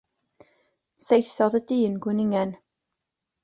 Saethodd y dyn gwningen.